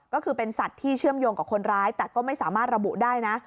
ก็คือเป็นสัตว์ที่เชื่อมโยงกับคนร้ายแต่ก็ไม่สามารถระบุได้นะ